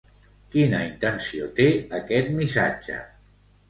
Quina intenció té aquest missatge?